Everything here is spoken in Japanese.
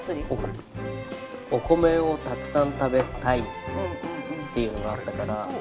お米をたくさん食べたいっていうのがあったから。